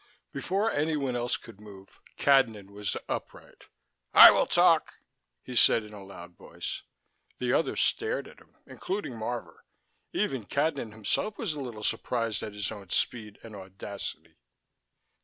Before anyone else could move, Cadnan was upright. "I will talk," he said in a loud voice. The others stared at him, including Marvor. Even Cadnan himself was a little surprised at his own speed and audacity.